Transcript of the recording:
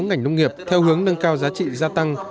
ngành nông nghiệp theo hướng nâng cao giá trị gia tăng